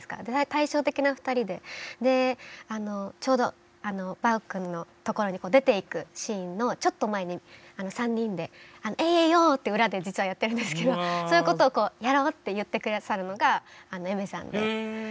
対照的な２人でちょうどバウくんの所に出ていくシーンのちょっと前に３人で「エイエイオー」って裏で実はやってるんですけどそういうことをやろうって言って下さるのがＡｉｍｅｒさんで。